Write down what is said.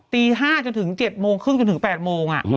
ตี๕จนถึง๗โมงครึ่งจนถึง๘โมง